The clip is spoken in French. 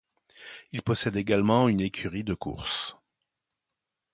Il possède également une écurie de course.